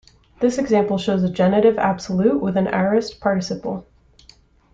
This example shows a genitive absolute with an aorist participle.